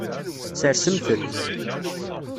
Sersemt-t.